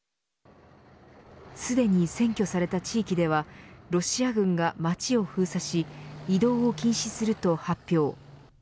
すでに占拠された地域ではロシア軍が街を封鎖し移動を禁止すると発表。